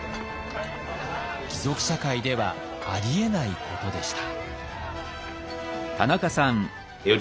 貴族社会ではありえないことでした。